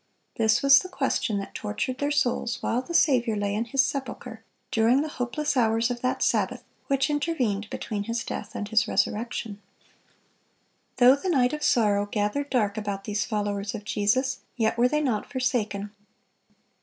This was the question that tortured their souls while the Saviour lay in His sepulcher during the hopeless hours of that Sabbath which intervened between His death and His resurrection. Though the night of sorrow gathered dark about these followers of Jesus, yet were they not forsaken.